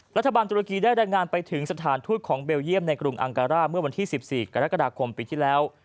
รัฐบาลตุรกีได้รายงานไปถึงสถานทูตของเบลเยี่ยมในกรุงอังการ่าเมื่อวันที่๑๔กรกฎาคมปีที่แล้ว